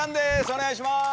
お願いします。